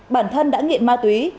bản thân đã nghiện ma túy